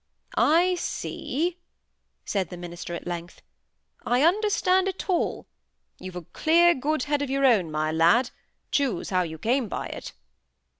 "I see," said the minister, at length. "I understand it all. You've a clear, good head of your own, my lad,—choose how you came by it."